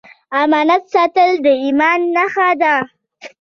امانت ساتل د ایمان نښه ده